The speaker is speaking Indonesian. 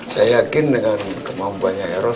saya yakin dengan kemampuannya eros